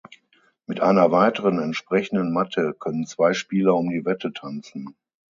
Mit einer weiteren entsprechenden Matte können zwei Spieler um die Wette tanzen.